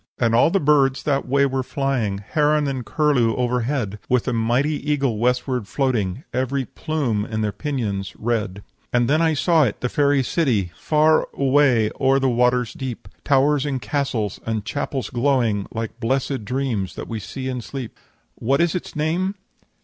"'And all the birds that way were flying, Heron and curlew overhead, With a mighty eagle westward floating, Every plume in their pinions red. "'And then I saw it, the fairy city, Far away o'er the waters deep; Towers and castles and chapels glowing Like blesséd dreams that we see in sleep. "'What is its name?'